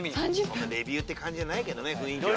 レビューって感じじゃないけどね雰囲気が。